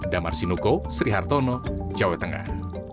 damar sinuko sri hartono jawa tengah